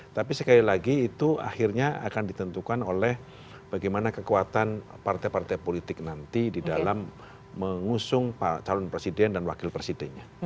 tapi sekali lagi itu akhirnya akan ditentukan oleh bagaimana kekuatan partai partai politik nanti di dalam mengusung calon presiden dan wakil presidennya